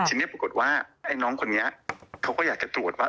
ทีนี้ปรากฏว่าไอ้น้องคนนี้เขาก็อยากจะตรวจว่า